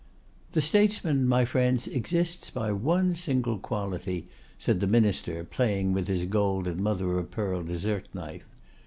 "The statesman, my friends, exists by one single quality," said the Minister, playing with his gold and mother of pearl dessert knife.